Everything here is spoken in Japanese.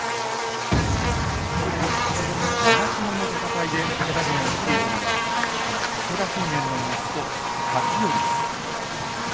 長篠の戦いで武田軍を率いたのはあの武田信玄の息子勝頼です。